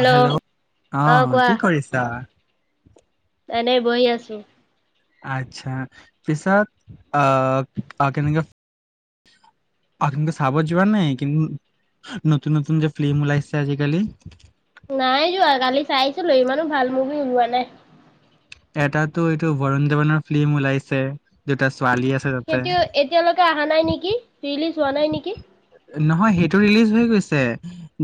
আহ হেল্ল' অ আহ কোৱা কি কৰিছা এনেই বহি আছো আচ্ছা পিছত আহ অ কেনেকে অনেকে চাবত যোৱা নাই কিন্তু নতুন নতু যে ফিল্ম ওলাইছে আজিকালি নাই যোৱা কালি চাইছিলো ইমানো ভাল মুভি ওলোৱা নাই এটাতো এইটো বৰুণ দেৱানৰ ফিল্ম ওলাইছে দুটা ছোৱালী আছে তাতে সেইটো এতিয়ালৈকে অহা নাই নেকি ৰিলিজ হোৱা নাই নেকি নহয় সেইটো ৰিলিজ হৈ গৈছে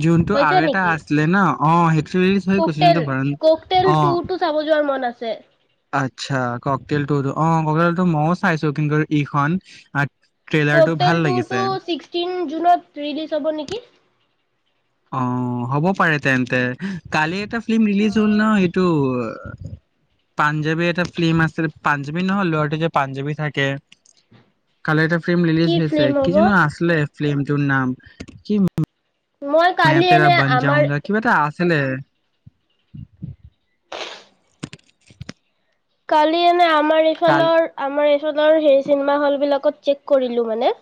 যোনটো আৰু এটা আছিলে ন অ সেইটো ৰিলিজ হৈ কোক গৈছে তেল যোনটো বৰুণ কোক অ তেল ুৰ তটো চাব যোৱাৰ মন আছে ছে আচ্ছা ককটল টো অ ককটল টো মইও চাইছো কিন্তু ইখন ট্ৰেইলাৰটো ভাল ককটল্ টোতো লাগিছে চিস্কটিন জুনত ৰিলিজ হ'ব নেকি অ হ'ব পাৰে তেন্তন্তে কালি এটা ফিল্ম অ ৰিলিজ হ'ল ন সেইটো পাঞ্জাবী এটা ফিল্ম আছিল পাঞ্জাবী নহয় লৰাটো যে পাঞ্জাৱী থাকে কাল এটা ফ্ৰেম কি ৰিলিজ হৈছে ফিল্ম হ'ব কিজ আছিলে ফ্ৰেমটোৰ নাম কি মই কালি এনে আমাৰ ছিলে কালি এনে আমাৰ কালি এইফালৰ আমাৰ সেই চিনেমা হল বিলাকত চে'ক কৰি মানে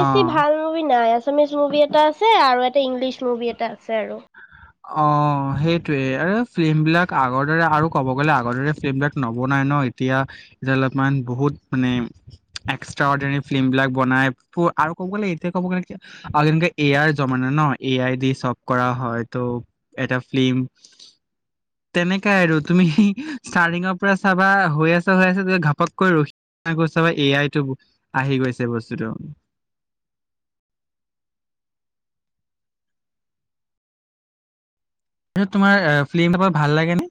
অ ভাল মুভি নাই আছে আছামিছ মুভি এটা আছে আৰু এটা ইংলিছ মুভি এটা আছে আৰু অ সেইটোৱে আৰু ফিল্ম বিলাক আগৰ দৰে আৰু ক'ব গলে আগৰ দৰে ফিল্ম বিলাক নবনাই ন এতিয়া এতিয়া অলপমান বহুত মানে এক্সট্ৰা অৰ্ ফিল্ম বিলাক বনাই আৰু কব গলে এতিয়া কব গলে যেনেে এ আইৰ জমা ন এ আই দি চব কৰা হয় ত এটা ফিল্ম তেনেকাই আৰু তুমি ষ্টাৰ্টিঙৰ পৰা চাবা হৈ আছে হৈ আছে ত ঘাপককৈ ৰখি চাবা এ আইতটো আহি গৈছে বস্তুটো তোমাৰ ফিল্ম এৱাৰ্ড ভাল লাগেনে